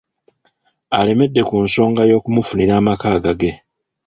Alemedde ku nsonga y'okumufunira amaka agage.